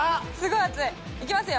いきますよ。